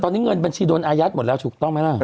ตอนนี้เงินบัญชีโดนอายัดหมดแล้วถูกต้องไหมล่ะ